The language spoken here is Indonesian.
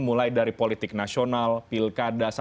mulai dari politik nasional pilkada sampai kembali ke politik sosial